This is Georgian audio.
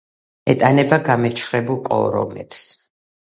ეტანება გამეჩხერებულ კორომებს.